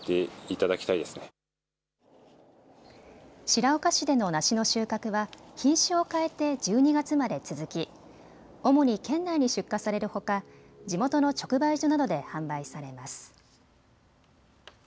白岡市での梨の収穫は品種を変えて１２月まで続き主に県内に出荷されるほか地元の直売所などで販売されます。